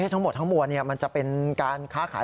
ทั้งหมดทั้งมวลมันจะเป็นการค้าขาย